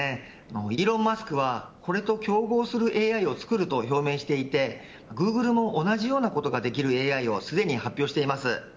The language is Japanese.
イーロン・マスクはこれと競合するＡＩを作ると表明していてグーグルも同じようなことができるＡＩをすでに発表しています。